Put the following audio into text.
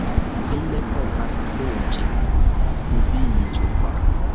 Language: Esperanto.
Vi ne povas fuĝi, sidiĝu